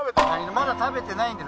まだ食べてないんです。